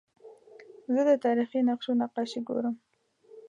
زه د تاریخي نقشو نقاشي ګورم.